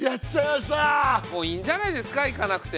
もういいんじゃないですか行かなくて。